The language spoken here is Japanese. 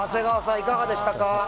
いかがでしたか。